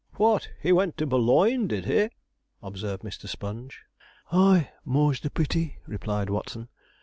'What, he went to Boulogne, did he?' observed Mr. Sponge. 'Aye, the more's the pity,' replied Watson.